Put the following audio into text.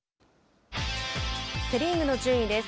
セ・リーグの順位です。